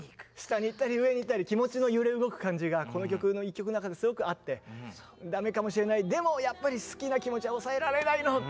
下にいったり上にいったり気持ちの揺れ動く感じがこの曲の一曲の中ですごくあって駄目かもしれないでもやっぱり好きな気持ちは抑えられないの！